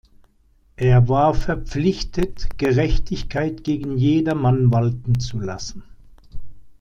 Er war verpflichtet Gerechtigkeit gegen jedermann walten zu lassen.